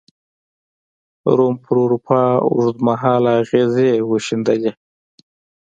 روم پر اروپا اوږد مهاله اغېزې وښندلې.